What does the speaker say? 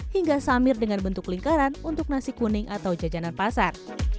hingga samir dengan bentuk lingkaran untuk nasi kuning atau jajanan pasar